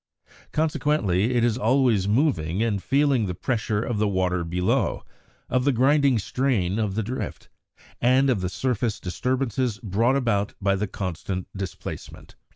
Consequently it is always moving and feeling the pressure of the water below, of the grinding strain of the drift, and of the surface disturbances brought about by the constant displacement.